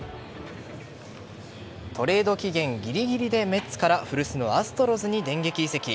トレード期限ぎりぎりでメッツから古巣のアストロズに電撃移籍。